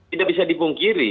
tidak bisa dipungkiri